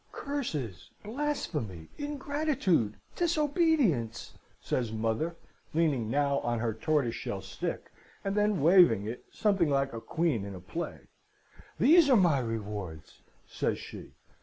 "'Curses, blasphemy, ingratitude, disobedience,' says mother, leaning now on her tortoiseshell stick, and then waving it something like a queen in a play. 'These are my rewards!' says she.